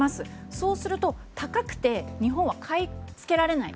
そうすると高くて日本は買い付けられない。